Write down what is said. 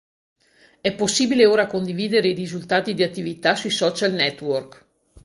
È possibile ora condividere i risultati di Attività sui social network.